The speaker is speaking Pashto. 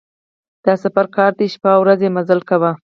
د سفر کار دی شپه او ورځ یې مزل کاوه.